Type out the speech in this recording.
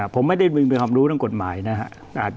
ผมไม่ได้มีความรู้ทางกฎหมายนะครับ